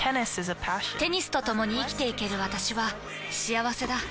テニスとともに生きていける私は幸せだ。